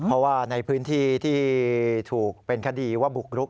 เพราะว่าในพื้นที่ที่ถูกเป็นคดีว่าบุกรุก